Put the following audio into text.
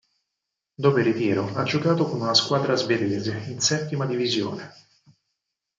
Dopo il ritiro, ha giocato con una squadra svedese, in settima divisione.